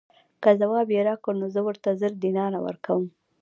که ځواب یې راکړ نو زه ورته زر دیناره ورکووم.